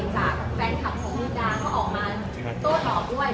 จากแฟนคลับของพี่ดาก็ออกมาโต้ตอบด้วย